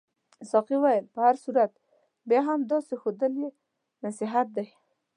ساقي وویل په هر صورت بیا هم داسې ښودل یې نصیحت دی.